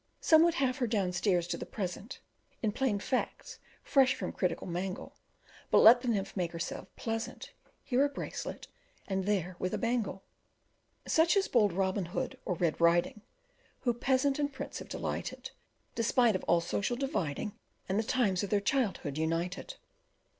Some would have her downstairs to the present, In plain facts fresh from critical mangle; But let the nymph make herself pleasant, Here a bracelet, and there with a bangle Such as Bold Robin Hood or Red Riding, Who peasant and prince have delighted, Despite of all social dividing, And the times of their childhood united.